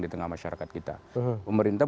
di tengah masyarakat kita pemerintah